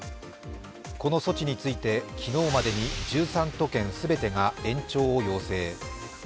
この措置について、昨日までに１３都県全てが延長を要請。